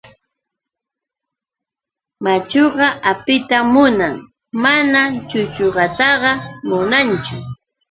Machuqa apitan munan mana chuchuqataqa munanchu.